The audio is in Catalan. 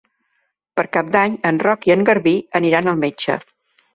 Per Cap d'Any en Roc i en Garbí aniran al metge.